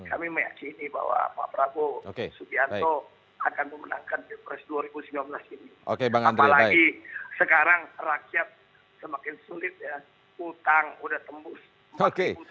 kami meyakini bahwa pak prabowo pak sugianto akan memenangkan bpres dua ribu sembilan belas ini